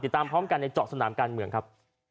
ตามพร้อมกันในเจาะสนามการเมืองครับ